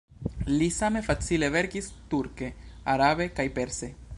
Li same facile verkis turke, arabe kaj perse.